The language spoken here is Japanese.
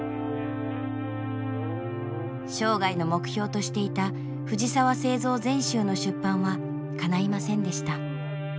生涯の目標としていた藤澤造全集の出版はかないませんでした。